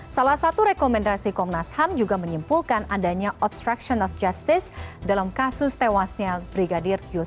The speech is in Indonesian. salah satu rekomendasi komnas ham juga menyimpulkan adanya obstruction of justice dalam kasus tewasnya brigadir yusuf